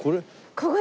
ここ？